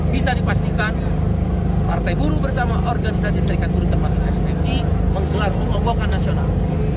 bisa dipastikan partai bumn bersama organisasi serikat bumn termasuk spfd menggelar pengobokan nasional